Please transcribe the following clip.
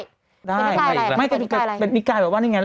เป็นนิกายอะไรเปิดนิกายอะไรเป็นนิกายแบบว่านี่ไง